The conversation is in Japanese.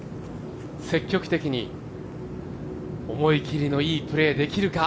積極的に、思い切りのいいプレー、できるか。